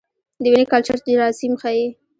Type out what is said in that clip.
د وینې کلچر جراثیم ښيي.